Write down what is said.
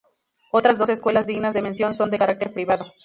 Otras dos escuelas dignas de mención son de carácter privado.